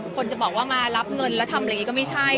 คนจะบอกว่ามารับเงินแล้วทำอะไรอย่างนี้ก็ไม่ใช่